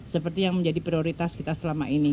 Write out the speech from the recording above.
seperti yang menjadi prioritas kita selama ini